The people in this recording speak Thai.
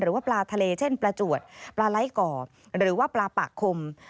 ว่าปลาทะเลเช่นปลาจวดปลาไร้ก่อหรือว่าปลาปากคม